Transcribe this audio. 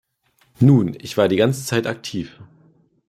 Nun, ich war die ganze Zeit aktiv.